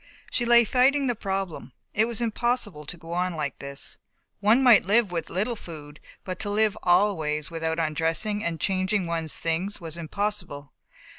She lay fighting the problem. It was impossible to go on like this. One might live with little food, but to live always without undressing and changing one's things was impossible.